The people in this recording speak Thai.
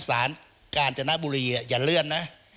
สารกาญจนบุรีอย่าเลื่อนนะ